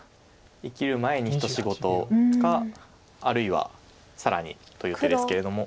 生きる前に一仕事かあるいは更にという手ですけれども。